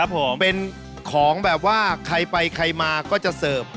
ผมเป็นของแบบว่าใครไปใครมาก็จะเสิร์ฟ